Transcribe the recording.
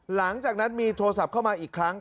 หลังจากนั้นมีโทรศัพท์เข้ามาอีกครั้ง